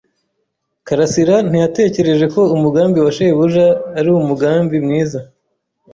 Karasirantiyatekereje ko umugambi wa shebuja ari umugambi mwiza.